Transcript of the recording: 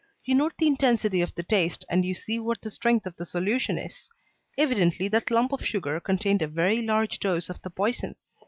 You note the intensity of the taste and you see what the strength of the solution is. Evidently that lump of sugar contained a very large dose of the poison.